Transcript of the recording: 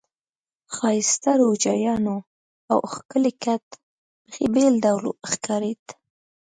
ښایسته روجایانو او ښکلي کټ بیخي بېل ډول ښکارېد.